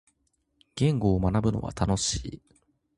言語を学ぶのは楽しい。